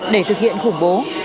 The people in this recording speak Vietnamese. để thực hiện khủng bố